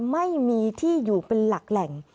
ไม่มีที่อยู่เป็นหลักแหล่ง